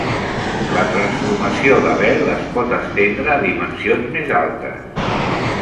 La transformació d'Abel es pot estendre a dimensions més altes.